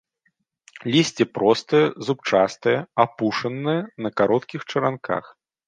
Лісце простае, зубчастае, апушанае, на кароткіх чаранках.